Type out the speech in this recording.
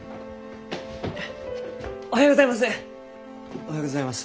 おはようございます！